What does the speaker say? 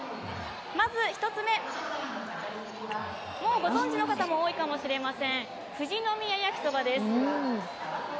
まず１つ目、もうご存じの方も多いかもしれません富士宮焼きそばです。